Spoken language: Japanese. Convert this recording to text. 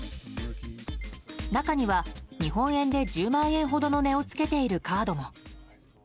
中には日本円で１０万円ほどの値をつけているカードも。